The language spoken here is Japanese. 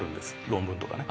論文とかね。